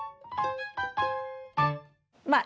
まあ